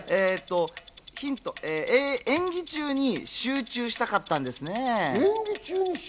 演技に集中したかったんですね。